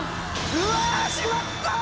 うわしまった！